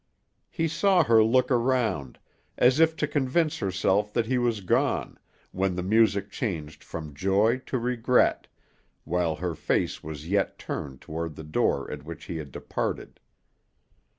He saw her look around, as if to convince herself that he was gone, when the music changed from joy to regret while her face was yet turned toward the door at which he had departed.